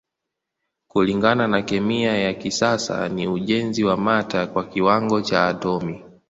Kulingana na kemia ya kisasa ni ujenzi wa mata kwa kiwango cha atomi.